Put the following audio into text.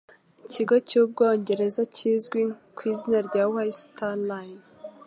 ikigo cy'ubwongereza kizwi ku izina rya White Star Line.